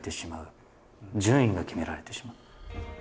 順位が決められてしまう。